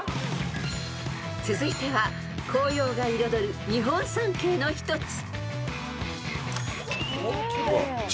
［続いては紅葉が彩る日本三景の一つ］